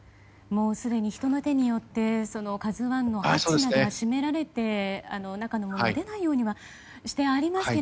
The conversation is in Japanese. もうすでに人の手によって「ＫＡＺＵ１」が閉められて中のものが出ないようにはしてありますが